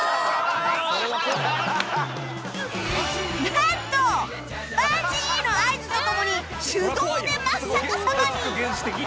なんと「バンジー！」の合図とともに手動で真っ逆さまに